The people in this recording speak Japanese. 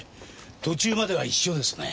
途中までは一緒ですね。